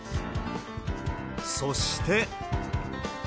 そして。